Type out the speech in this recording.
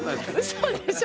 嘘でしょ。